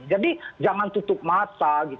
jadi jangan tutup mata